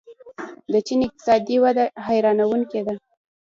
د چین اقتصادي وده حیرانوونکې ده.